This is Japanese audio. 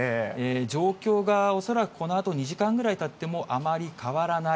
状況が、恐らくこのあと２時間ぐらいたってもあまり変わらない。